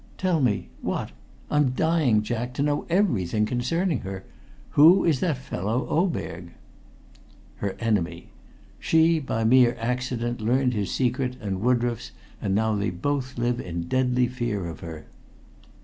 "Tell me. What? I'm dying, Jack, to know everything concerning her. Who is that fellow Oberg?" "Her enemy. She, by mere accident, learned his secret and Woodroffe's, and they now both live in deadly fear of her."